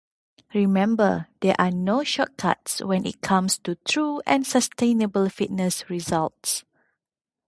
Remember, there are no shortcuts when it comes to true and sustainable fitness results.